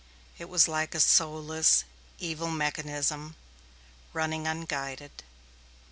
It was like a soulless, evil mechanism, running unguided.